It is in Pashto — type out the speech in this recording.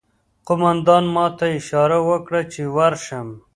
قومندان ماته اشاره وکړه چې ورشم